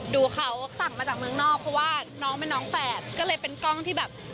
เนาะวัดน้องเป็นน้องแฝดก็เลยเป็นกล้องที่แบบ